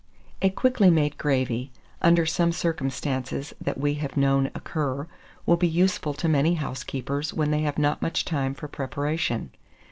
A quickly made gravy, under some circumstances that we have known occur, will be useful to many housekeepers when they have not much time for preparation.